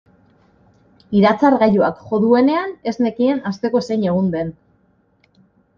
Iratzargailuak jo duenean ez nekien asteko zein egun den.